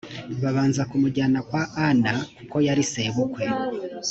babanza kumujyana kwa ana kuko yari sebukwe